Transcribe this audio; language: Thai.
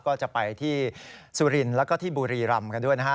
ก็จะไปที่สุรินทร์แล้วก็ที่บุรีรำกันด้วยนะฮะ